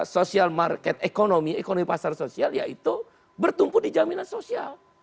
social market ekonomi ekonomi pasar sosial yaitu bertumpu di jaminan sosial